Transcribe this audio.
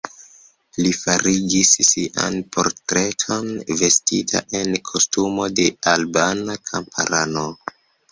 Li farigis sian portreton, vestita en kostumo de albana kamparano.